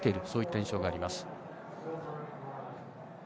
そういった印象があります。